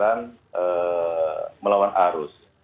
yang dianggaran melawan arus